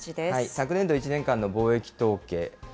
昨年度１年間の貿易統計。